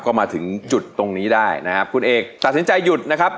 ก็มาถึงจุดตรงนี้ได้นะครับคุณเอกตัดสินใจหยุดนะครับ